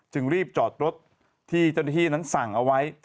จึงรีบจอดรถที่เจ้าหน้าที่นั้นสั่งเอาไว้